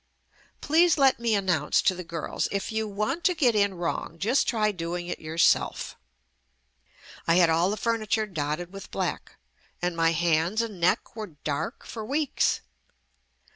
Please let me announce to the girls "if you want to get in wrong, just try doing it yourself/' I had all of the furni ture dotted with black, and my hands and neck were dark for weeks.